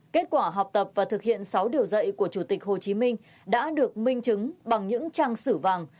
kết quả học tập và thực hiện sáu điều dạy của chủ tịch hồ chí minh đã được minh chứng bằng những trang sử vàng